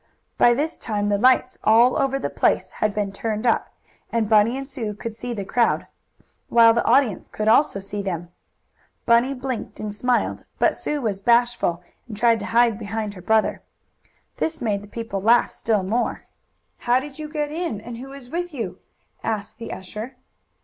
By this time the lights all over the place had been turned up, and Bunny and Sue could see the crowd, while the audience could also see them. Bunny blinked and smiled, but Sue was bashful, and tried to hide behind her brother. This made the people laugh still more. "How did you get in, and who is with you?" asked the usher.